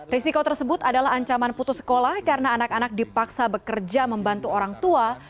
risiko tersebut adalah ancaman putus sekolah karena anak anak dipaksa bekerja membantu orang tua